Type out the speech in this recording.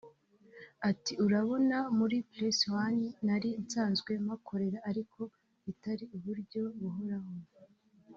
Ati “Urabona muri Press One nari nsanzwe mpakorera ariko bitari uburyo buhoraho